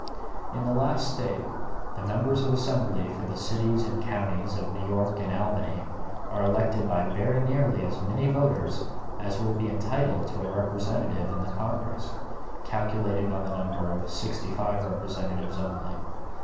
In the last State the members of Assembly for the cities and counties of New York and Albany are elected by very nearly as many voters as will be entitled to a representative in the Congress, calculating on the number of sixty five representatives only.